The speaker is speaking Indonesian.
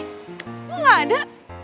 gue gak ada